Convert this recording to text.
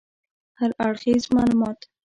هراړخیز معلومات